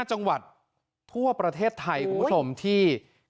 จังหวัดทั่วประเทศไทยคุณผู้ชมที่